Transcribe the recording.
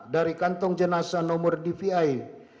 dari kantong jenazah nomor dvi